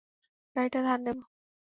গাড়িটা ধার নেবো।